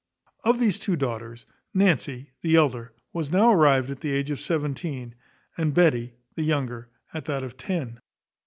Of these two daughters, Nancy, the elder, was now arrived at the age of seventeen, and Betty, the younger, at that of ten.